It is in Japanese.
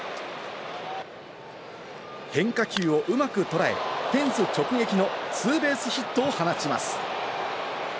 変化球をうまく捉え、フェンス直撃のツーベースヒットを放ちます。